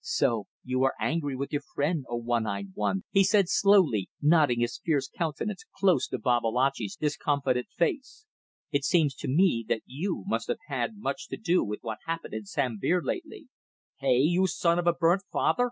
"So you are angry with your friend, O one eyed one!" he said slowly, nodding his fierce countenance close to Babalatchi's discomfited face. "It seems to me that you must have had much to do with what happened in Sambir lately. Hey? You son of a burnt father."